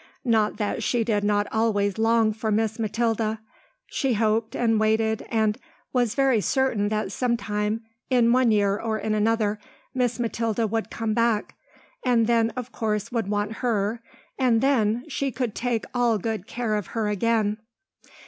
Not that she did not always long for Miss Mathilda. She hoped and waited and was very certain that sometime, in one year or in another Miss Mathilda would come back, and then of course would want her, and then she could take all good care of her again.